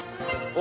お。